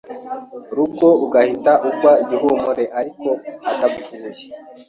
rugo ugahita ugwa igihumure ariko udapfuye